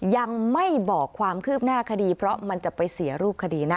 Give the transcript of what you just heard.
ยังไม่บอกความคืบหน้าคดีเพราะมันจะไปเสียรูปคดีนะ